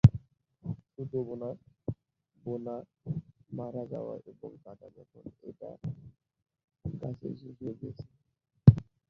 সুতো বোনা, বোনা, মারা যাওয়া এবং কাটা এখন একটা গাছেই শেষ হয়ে গিয়েছে।